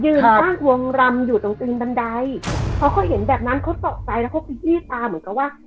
ตั้งวงรำอยู่ตรงบันไดพอเขาเห็นแบบนั้นเขาตกใจแล้วเขาขยี้ตาเหมือนกับว่า